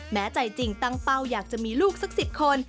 แม้ใจจริงตั้งเป้าอยากจะมีลูกสัก๑๐คน